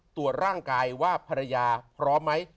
ตรวจร่างกายว่าภรรยาพร้อมไหม